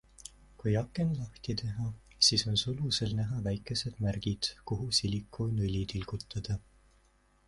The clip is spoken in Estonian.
Kui aken lahti teha, siis on sulusel näha väikesed märgid, kuhu silikoonõli tilgutada.